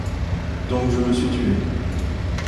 Donc je me suis tué.